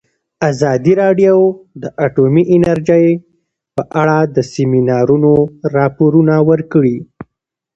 ازادي راډیو د اټومي انرژي په اړه د سیمینارونو راپورونه ورکړي.